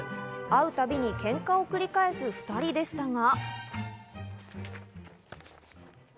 会う度に喧嘩を繰り返す２人でしたが。